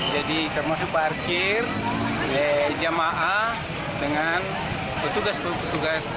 jadi termasuk parkir jemaah dengan petugas petugas